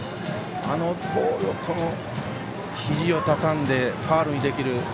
あのボールを、ひじをたたんでファウルにできる。